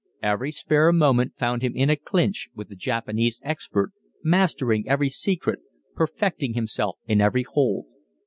Every spare moment found him in a clinch with the Japanese expert, mastering every secret, perfecting himself in every hold.